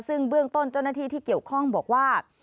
ซึ่งเบื้องต้นเจ้าหน้าที่ที่เกี่ยวข้องบอกว่า